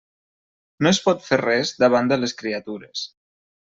No es pot fer res davant de les criatures.